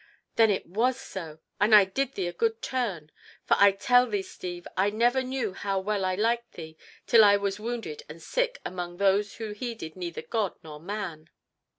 "Then it was so! And I did thee a good turn! For I tell thee, Steve, I never knew how well I liked thee till I was wounded and sick among those who heeded neither God nor man!